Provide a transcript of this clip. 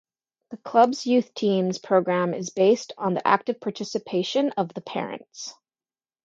The club's youth team's programme is based on the active participation of the parents.